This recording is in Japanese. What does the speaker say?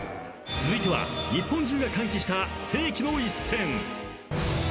［続いては日本中が歓喜した世紀の一戦］